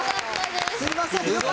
すいません。